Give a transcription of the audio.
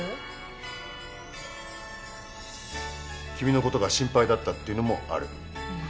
君のことが心配だったっていうのもある。